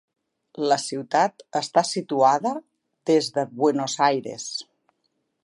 La ciutat està situada des de Buenos Aires.